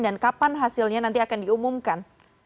dan kapan hasilnya nanti akan diumumkan